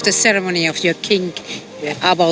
เพราะเซโรโมนีของคุณพระเจ้า